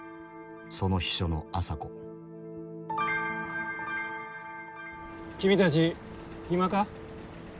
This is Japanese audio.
その秘書の麻子君たち暇か？